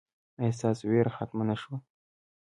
ایا ستاسو ویره ختمه نه شوه؟